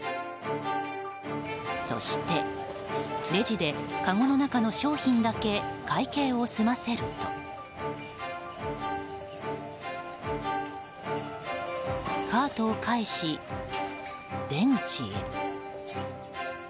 そして、レジでかごの中の商品だけ会計を済ませるとカートを返し、出口へ。